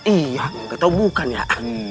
iya gak tau bukan ya